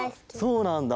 そうなんだ！